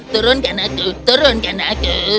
turunkan aku turunkan aku